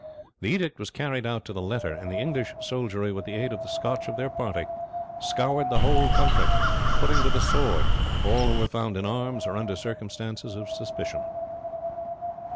The edict was carried out to the letter, and the English soldiery, with the aid of the Scotch of their party, scoured the whole country, putting to the sword all who were found in arms or under circumstances of suspicion.